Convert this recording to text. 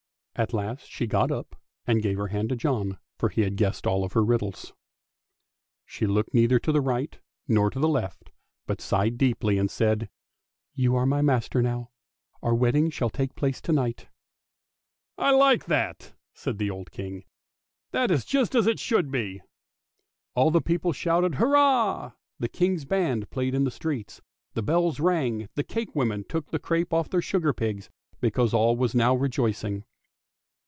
At last she got up and gave her hand to John, for he had guessed all the riddles; &*Tnc Princess wenc veRy bAppy THE TRAVELLING COMPANIONS 381 she looked neither to the right nor to the left, but sighed deeply, and said, " You are my master now; our wedding shall take place to night." " I like that," said the old King; " that is just as it should be." All the people shouted hurrah, the guard's band played in the streets, the bells rang, and the cakewomen took the crape off the sugar pigs, because all was now rejoicing.